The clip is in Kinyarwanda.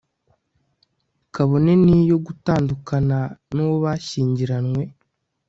kabone ni yo gutandukana n'uwo bashyingiranywe